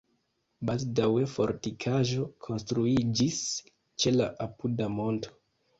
Baldaŭe fortikaĵo konstruiĝis ĉe la apuda monto.